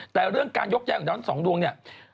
แต่เรื่องการยกย้ายของเราทั้งสองดวงเนี่ย